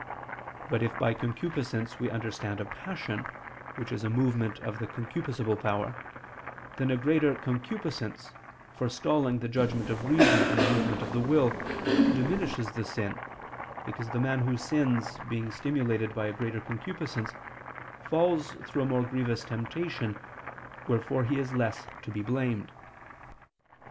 But if by concupiscence we understand a passion, which is a movement of the concupiscible power, then a greater concupiscence, forestalling the judgment of reason and the movement of the will, diminishes the sin, because the man who sins, being stimulated by a greater concupiscence, falls through a more grievous temptation, wherefore he is less to be blamed.